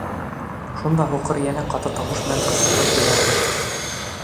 Шунда һуҡыр йәнә ҡаты тауыш менән ҡысҡырып ебәрҙе: